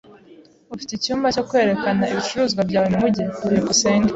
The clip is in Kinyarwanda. Ufite icyumba cyo kwerekana ibicuruzwa byawe mumujyi? byukusenge